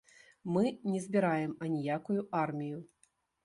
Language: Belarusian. Мы не збіраем аніякую армію.